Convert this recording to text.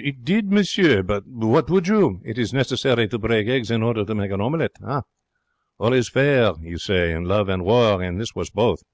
'It did, monsieur. But what would you? It is necessary to break eggs in order to make an omelette. All is fair, you say, in love and war, and this was both.